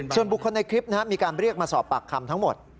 ส่วนบุคคลในคลิปมีการเรียกมาสอบปากคำทั้งหมด